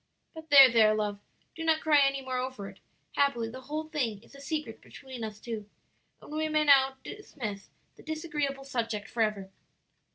"But there, there, love, do not cry any more over it; happily, the whole thing is a secret between us two, and we may now dismiss the disagreeable subject forever.